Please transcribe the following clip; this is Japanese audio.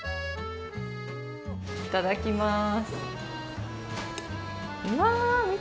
いただきます。